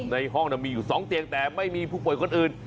ในห้องมีอยู่๒เตียงแต่ไม่มีผู้ป่วยคนอื่น